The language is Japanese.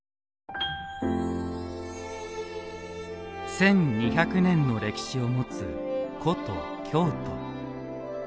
１，２００年の歴史を持つ古都京都。